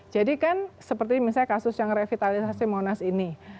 jadi kan seperti misalnya kasus yang revitalisasi monas ini